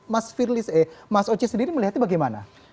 mas firly eh mas oci sendiri melihatnya bagaimana